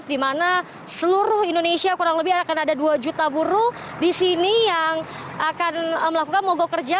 di mana seluruh indonesia kurang lebih akan ada dua juta buruh di sini yang akan melakukan mogok kerja